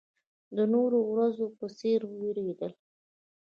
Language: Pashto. د نورو ورځو په څېر وېرېدله.